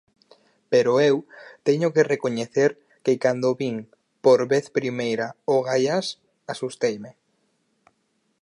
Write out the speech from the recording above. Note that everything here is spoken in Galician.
Pero eu teño que recoñecer que cando vin por vez primeira o Gaiás, asusteime.